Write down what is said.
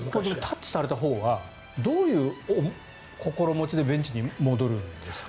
タッチされたほうはどういう心持ちでベンチに戻るんですか？